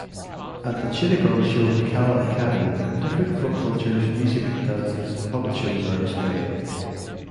At the Chittagong Shilpakala Academy, different folk cultures, music, dances, puppet shows are displayed.